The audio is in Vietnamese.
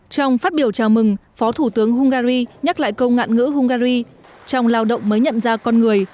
trong phát biểu chào mừng phó thủ tướng hungary nhắc lại câu ngạn ngữ hungary trong lao động mới nhận ra con người